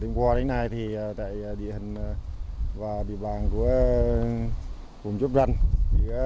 từ đêm qua đến nay thì tại địa hình và địa bàn của vùng chốt răng